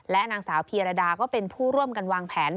นางสาวพีรดาก็เป็นผู้ร่วมกันวางแผน